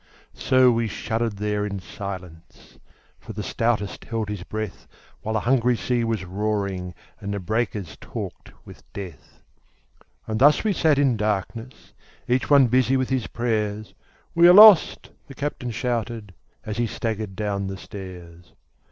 So we shuddered there in silence, For the stoutest held his breath, While the hungry sea was roaring And the breakers talked with death. As thus we sat in darkness Each one busy with his prayers, "We are lost!" the captain shouted, As he staggered down the stairs.